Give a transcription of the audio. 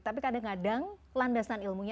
tapi kadang kadang landasan ilmunya